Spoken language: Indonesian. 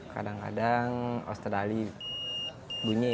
kadang kadang australia bunyi